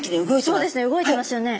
そうですね動いてますよね。